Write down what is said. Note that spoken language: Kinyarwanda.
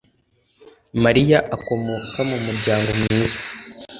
Mariya akomoka mu muryango mwiza